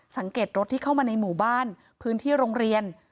รถที่เข้ามาในหมู่บ้านพื้นที่โรงเรียน